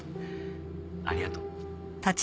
ありがとう。